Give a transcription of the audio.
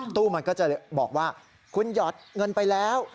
ตู้มันก็จะบอกว่าคุณหยอดเงินไปแล้ว